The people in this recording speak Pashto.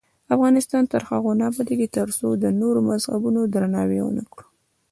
افغانستان تر هغو نه ابادیږي، ترڅو د نورو مذهبونو درناوی ونکړو.